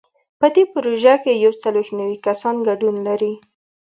په دې پروژه کې یو څلوېښت نوي کسان ګډون لري.